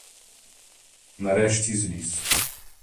Нарешті зліз.